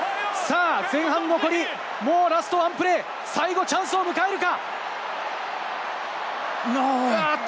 前半残り、もうラストワンプレー、最後チャンスを迎えるか？